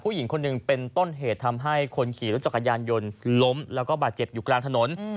ผู้หญิงคนหนึ่งเป็นต้นเหตุทำให้คนขี่รถจักรยานยนต์ล้มแล้วก็บาดเจ็บอยู่กลางถนน